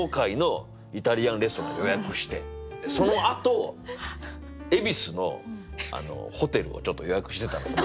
そのあと恵比寿のホテルをちょっと予約してたのよ。